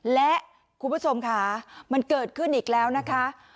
และคุณผู้ชมค่ะมันเกิดขึ้นอีกแล้วนะคะ